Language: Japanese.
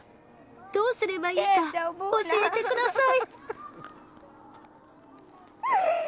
どうすればいいか教えてください。